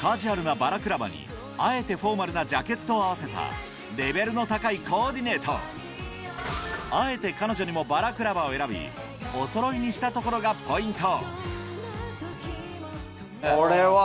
カジュアルなバラクラバにあえてフォーマルなジャケットを合わせたレベルの高いコーディネートあえて彼女にもバラクラバを選びおそろいにしたところがポイント